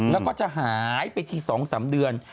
แล้วก็จะหายไปที๒๓เดือน